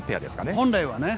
本来はね。